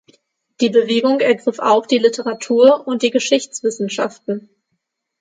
Die Bewegung ergriff auch die Literatur und die Geschichtswissenschaften.